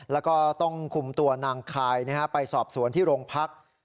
แล้วก็ต้องคุมตัวนางคายไปสอบสวนที่โรงพัก